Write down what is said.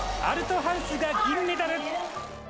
アルトハウスが銀メダル。